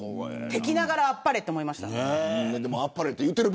敵ながらあっぱれと思いました。